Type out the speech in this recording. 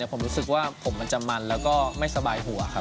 ผมรู้สึกว่าผมมันมันและไม่สบายหัว